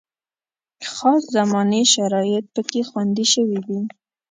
خاص زماني شرایط پکې خوندي شوي دي.